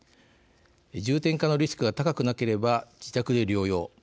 重症化のリスクが高くなければ自宅で療養。